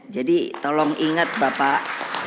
jadi tolong ingat bapak